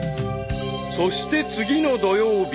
［そして次の土曜日］